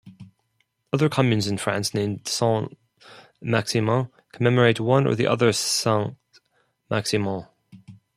Other communes in France named Saint-Maximin commemorate one or the other Saints Maximin.